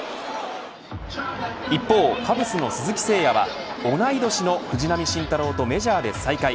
一方、カブスの鈴木誠也は同い年の藤浪晋太郎とメジャーで再会。